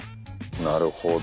なるほど！